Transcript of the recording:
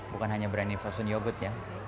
bukan hanya brand di frozen yogurt ya